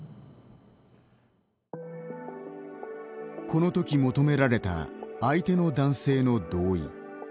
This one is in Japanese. このとき求められた相手の男性の同意。